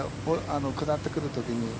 下ってくるときに。